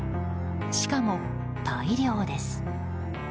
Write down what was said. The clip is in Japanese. しかも大量です。